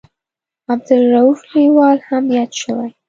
عبدالرووف لیوال هم یاد شوی.